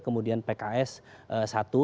kemudian pks satu